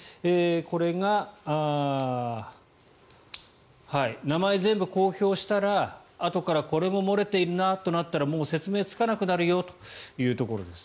これが名前を全部公表したらあとからこれも漏れているとなったらもう説明がつかなくなるよというところです。